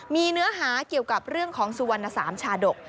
มีเนื้อหาเกี่ยวกับเรื่องของสุวรรณสามชาดก